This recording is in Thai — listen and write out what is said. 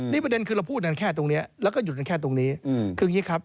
นี่ประเด็นคือเราพูดกันแค่ตรงนี้แล้วก็หยุดกันแค่ตรงนี้